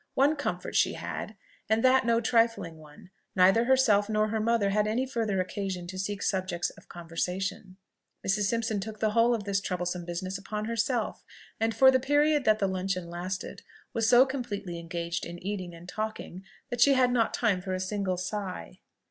One comfort she had, and that no trifling one: neither herself nor her mother had any further occasion to seek subjects of conversation; Mrs. Simpson took the whole of this troublesome business upon herself, and for the period that the luncheon lasted was so completely engaged in eating and talking, that she had not time for a single sigh.